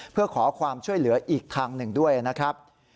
เพื่อขอความช่วยเหลืออีกทางหนึ่งด้วยนะครับ